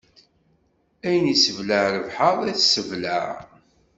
Ayen isseblaɛ lebḥeṛ, ay sbelɛeɣ.